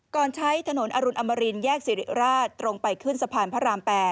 ใช้ถนนอรุณอมรินแยกสิริราชตรงไปขึ้นสะพานพระราม๘